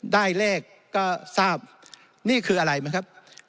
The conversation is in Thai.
ได้เลขก็ทราบนี่คืออะไรไหมครับ